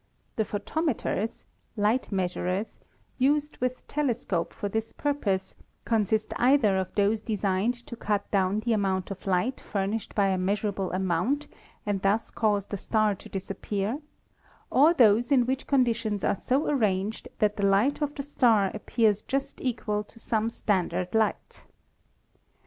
The photometers (light measurers) used with telescopes for this purpose consist either of those designed to cut down the amount of lijht furnished by a measurable amount and thus cause the star to disappear, or those in which conditions are so arranged that the light of the star appears just equal to some standard light.